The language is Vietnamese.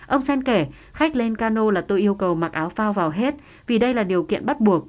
ông sen kẻ khách lên cano là tôi yêu cầu mặc áo phao vào hết vì đây là điều kiện bắt buộc